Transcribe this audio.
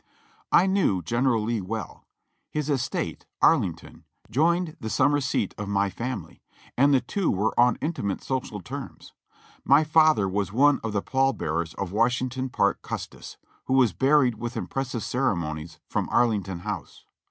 I knew General Lee well; his estate, "Arlington," joined the summer seat of my family, and the two were on intimate social terms; my father was one of the pall bearers of Washington Parke Custis, who was buried with impressive ceremonies from Arlington House.